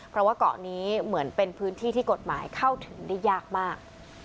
เพราะว่าเกาะนี้เหมือนเป็นพื้นที่ที่กฎหมายเข้าถึงได้ยากมาก